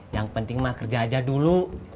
yang penting mah kerja aja dulu